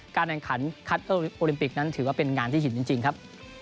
การแข่งขันคัตเตอร์โอลิมปิกนั้นถือว่าเป็นงานที่หินจริงครับ